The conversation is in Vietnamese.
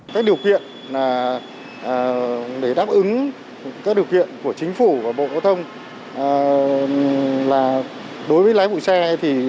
các điều kiện để đáp ứng các điều kiện của chính phủ và bộ giao thông là đối với lái vụ xe thì